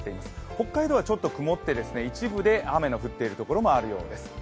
北海道はちょっと曇って、一部で雨の降っているところもあるようです。